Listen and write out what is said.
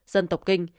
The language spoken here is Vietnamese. dân tộc kinh